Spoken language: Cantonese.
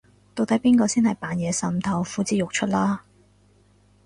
到底邊個先係扮嘢滲透呼之欲出啦